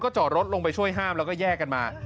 จอดรถลงไปช่วยห้ามแล้วก็แยกกันมา